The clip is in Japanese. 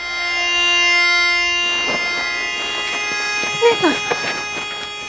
姉さん！